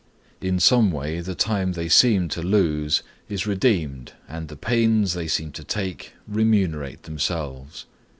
In some way the time they seem to lose is redeemed and the pains they seem to take remunerate themselves.